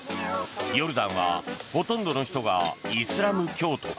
ヨルダンはほとんどの人がイスラム教徒。